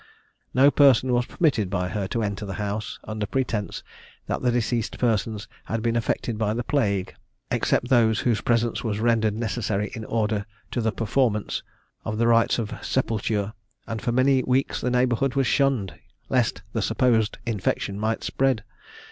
No person was permitted by her to enter the house, under pretence that the deceased persons had been affected by the plague, except those, whose presence was rendered necessary in order to the performance of the rites of sepulture; and for many weeks the neighbourhood was shunned, lest the supposed infection might spread.